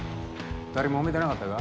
二人もめてなかったか？